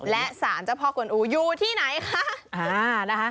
และสารเจ้าพ่อกวนอูอยู่ที่ไหนคะ